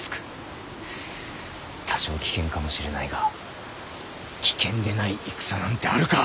多少危険かもしれないが危険でない戦なんてあるか。